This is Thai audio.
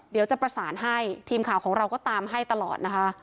เดี๋ยวจะประสานให้ทีมข่าวของเราก็ตามให้ตลอดนะคะ